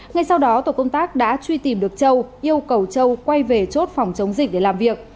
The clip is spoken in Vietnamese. ngay sau đó tổ công tác đã truy tìm được châu yêu cầu châu quay về chốt phòng chống dịch để làm việc